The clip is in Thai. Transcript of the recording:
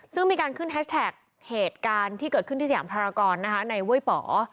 ซึ่งมีการขึ้นแฮชแท็กเหตุการณ์ที่เกิดขึ้นที่สยามภารกรในห้วยป๋อ